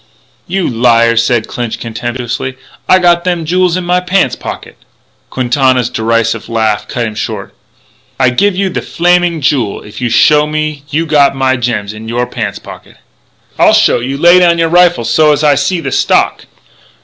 "You liar," said Clinch contemptuously, "I got them jools in my pants pocket " Quintana's derisive laugh cut him short: "I give you thee Flaming Jewel if you show me you got my gems in you pants pocket!" "I'll show you. Lay down your rifle so's I see the stock."